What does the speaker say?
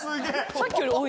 さっきより多い？